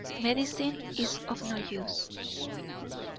Medicine is of no use."